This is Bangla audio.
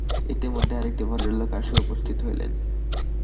ইতিমধ্যে আর-একটি ভদ্রলোক আসিয়া উপস্থিত হইলেন।